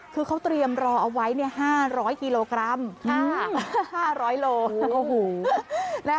คือเขาเตรียมรอเอาไว้๕๐๐กิโลกรัม๕๐๐โล